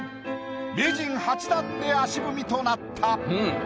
名人８段で足踏みとなった。